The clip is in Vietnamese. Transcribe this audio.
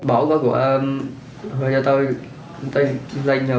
bảo có tiền giả về rồi